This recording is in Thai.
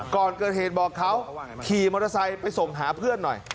ก่อนเกิดเหตุบอกเขาขี่มอเตอร์ไซค์ไปส่งหาเพื่อนหน่อย